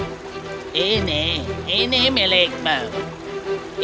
kura kura menemukan buddha dan menemukan buddha